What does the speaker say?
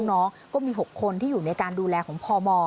น้องก็มี๖คนที่อยู่ในการดูแลของพม